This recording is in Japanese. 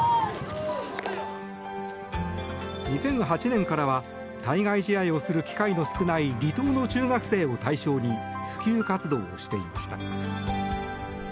２００８年からは対外試合をする機会の少ない離島の中学生を対象に普及活動をしていました。